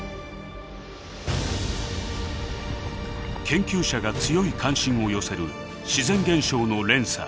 研究者が強い関心を寄せる自然現象の連鎖。